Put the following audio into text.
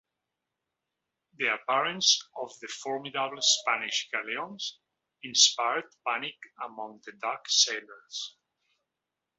The appearance of the formidable Spanish galleons inspired panic among the Dutch sailors.